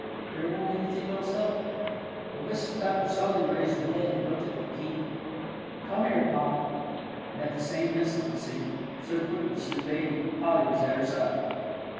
There won't anything else help her." But Mrs. Pepper suddenly raised her head and looked at them keenly. "Come here, Polly," and at the same instant it seemed, so quickly she obeyed, Polly was at her side.